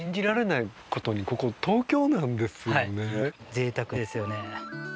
ぜいたくですよね。